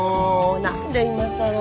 何で今更。